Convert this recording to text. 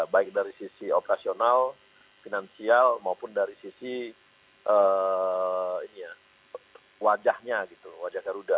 baik dari sisi operasional finansial maupun dari sisi wajahnya gitu wajah garuda